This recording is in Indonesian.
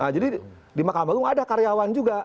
jadi di mahkamah gungka ada karyawan juga